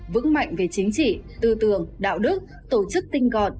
vững mạnh về chính trị tư tưởng đạo đức tổ chức tinh gọn